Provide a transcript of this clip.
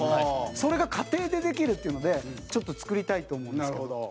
それが家庭でできるっていうのでちょっと作りたいと思うんです。